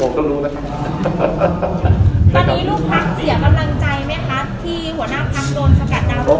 การนี้ลูกพักเสียกำลังใจมั้ยคะที่หัวหน้าทางโดนศักดาปุ่งขันม